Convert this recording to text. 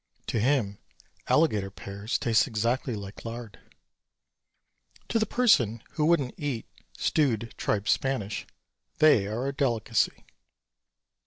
To him alligator pears taste exactly like lard. To the person who wouldn't eat "stewed tripe Spanish" they are a delicacy.